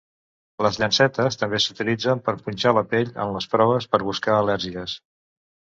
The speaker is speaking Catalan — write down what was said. Les llancetes també s'utilitzen per punxar la pell en les proves per buscar al·lèrgies.